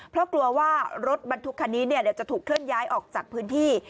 เพราะกลัวว่ารถบรรทุกคันนี้เดี๋ยวจะถูกเคลื่อนย้ายออกจากพื้นที่